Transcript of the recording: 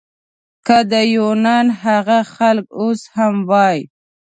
که د یونان هغه خلک اوس هم وای.